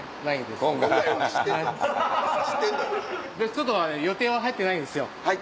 ちょっと予定は入ってないんですよ。